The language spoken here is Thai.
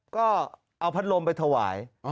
ก็เอาพัดลมไปถวาย